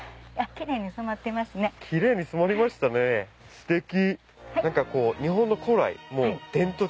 キレイに染まりましたねステキ！